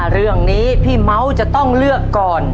เรื่องนี้พี่เมาส์จะต้องเลือกก่อน